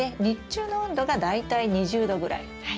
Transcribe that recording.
日中の温度が大体２０℃ぐらい。